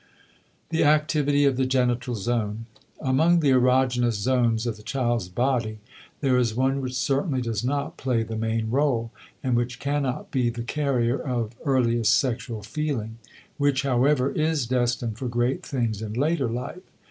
*The Activity of the Genital Zone.* Among the erogenous zones of the child's body there is one which certainly does not play the main rôle, and which cannot be the carrier of earliest sexual feeling which, however, is destined for great things in later life.